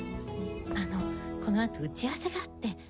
あのこの後打ち合わせがあって。